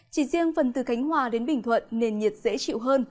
chỉ riêng phần từ cánh hòa đến bình thuận nền nhiệt dễ chịu hơn